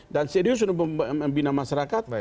dan serius membina masyarakat